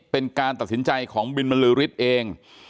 เป็นการตัดสินใจของบินบรรลือฤทธิ์เอง